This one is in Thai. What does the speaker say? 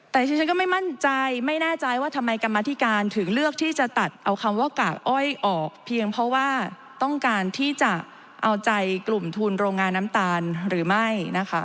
แต่ที่ฉันก็ไม่มั่นใจไม่แน่ใจว่าทำไมกรรมธิการถึงเลือกที่จะตัดเอาคำว่ากากอ้อยออกเพียงเพราะว่าต้องการที่จะเอาใจกลุ่มทุนโรงงานน้ำตาลหรือไม่นะคะ